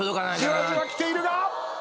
じわじわきているが。